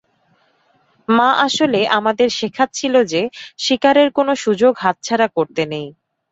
মা আসলে আমাদের শেখাচ্ছিল যে শিকারের কোন সুযোগ হাতছাড়া করতে নেই।